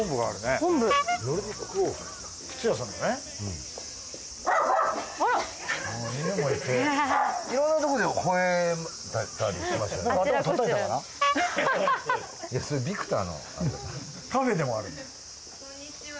こんにちは。